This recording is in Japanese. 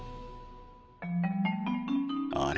あれ？